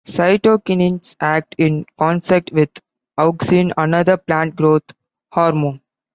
Cytokinins act in concert with auxin, another plant growth hormone.